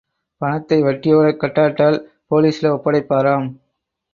பணத்தை வட்டியோட கட்டாட்டால் போலீஸ்ல ஒப்படைப்பாராம்.